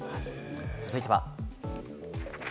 続いては。